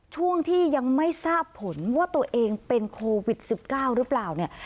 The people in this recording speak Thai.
ช่วงที่ยังไม่ทราบผลว่าตัวเองเป็นโควิด๑๙หรือเปล่าเนี่ย